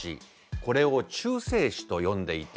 これを「中性子」と呼んでいて